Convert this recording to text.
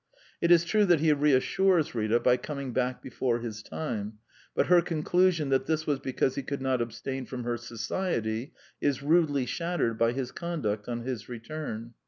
It is true that he reassures Rita by coming back before his time; but her conclusion that this was because he could not abstain from her society is rudely shattered by his conduct on his return.